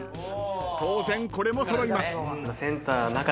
当然これも揃います。